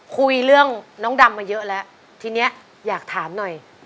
คุยเรื่องน้องดำมาเยอะแล้วทีนี้อยากถามหน่อย